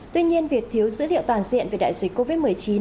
tuy nhiên việc thiếu dữ liệu toàn diện về đại dịch covid một mươi chín